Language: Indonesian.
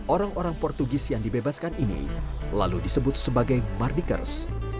orang orang portugis yang dibebaskan ini lalu disebut sebagai mardikers